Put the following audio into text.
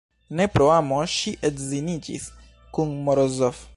Ne pro amo ŝi edziniĝis kun Morozov.